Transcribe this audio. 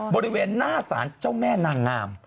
บริเวณหน้าสารเจ้าแม่นางงาม